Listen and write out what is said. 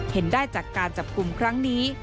เห็นได้จากการจับกลุ่มครั้งนี้